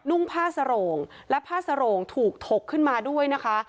ุ่งผ้าสโรงและผ้าสโรงถูกถกขึ้นมาด้วยนะคะ